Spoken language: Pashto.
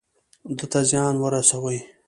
ده ته زيان ورسوي.